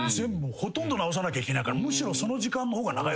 ほとんど直さなきゃいけないからむしろその時間の方が長い。